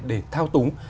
để thao túng